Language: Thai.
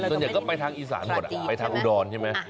ส่วนใหญ่ก็ไปทางอีสานหมดไปทางอุดรใช่ไหม